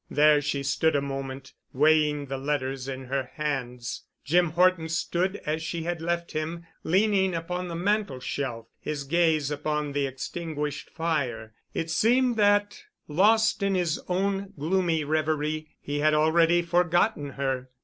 There she stood a moment, weighing the letters in her hands. Jim Horton stood as she had left him, leaning upon the mantel shelf, his gaze upon the extinguished fire. It seemed that lost in his own gloomy reverie he had already forgotten her.